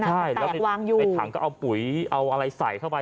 แตกวางอยู่ใช่แล้วถังก็เอาปุ๋ยเอาอะไรใส่เข้าไป